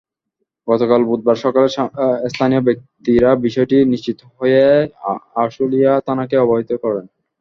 গতকাল বুধবার সকালে স্থানীয় ব্যক্তিরা বিষয়টি নিশ্চিত হয়ে আশুলিয়া থানাকে অবহিত করেন।